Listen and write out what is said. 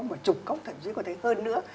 mà chục cốc thậm chí có thể hơn nữa